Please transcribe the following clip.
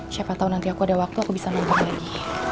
siapa tahu nanti aku ada waktu aku bisa numpuk lagi